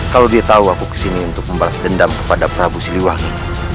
kalau dia tahu aku kesini untuk membalas dendam kepada prabu siliwangi